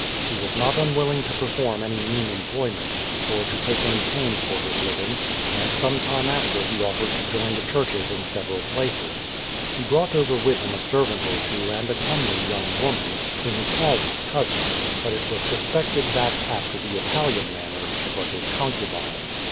He was not unwilling to perform any mean employment, or to take any pains for his living; and some time after he offered to join the churches in several places. He brought over with him a servant or two and a comely young woman, whom he called his cousin, but it was sus pected that, after the Italian manner, she was his concubine.